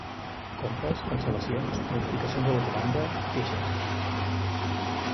Compres, cancel·lacions, modificacions a la comanda, queixes.